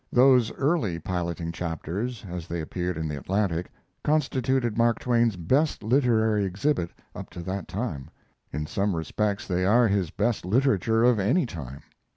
Those early piloting chapters, as they appeared in the Atlantic, constituted Mark Twain's best literary exhibit up to that time. In some respects they are his best literature of any time.